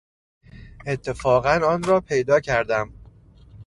اتفاقا آن را پیدا کردم.